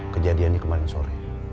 kejadiannya kemarin sore